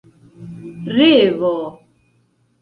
revo